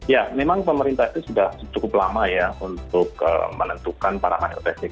ya memang pemerintah itu sudah cukup lama ya untuk menentukan parameter testing